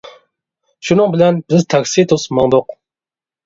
شۇنىڭ بىلەن بىز تاكسى توسۇپ ماڭدۇق.